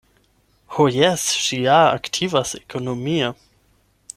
Ho jes, ŝi ja aktivas ekonomie!